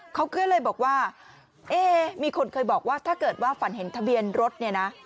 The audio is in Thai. เขาก็เลยบอกว่าเอ๊มีคนเคยบอกว่าถ้าเกิดว่าฝันเห็นทะเบียนรถเนี่ยนะ